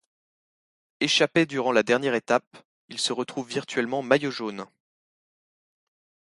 Échappé durant la dernière étape, il se retrouve virtuellement maillot jaune.